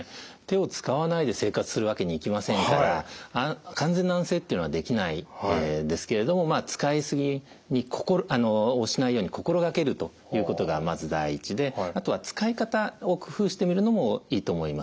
手を使わないで生活するわけにいきませんから完全な安静っていうのはできないですけれども使い過ぎをしないように心がけるということがまず第一であとは使い方を工夫してみるのもいいと思います。